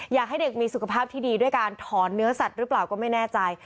อยากให้เด็กมีสุขภาพที่ดีด้วยการถอนเนื้อสัตว์หรือเปล่าก็ไม่แน่ใจ